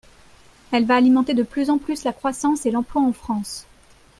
Elle va alimenter de plus en plus la croissance et l’emploi en France.